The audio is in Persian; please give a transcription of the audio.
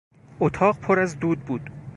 اتاق پر از دود بود.